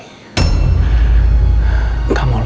kamu loyal sama mereka ya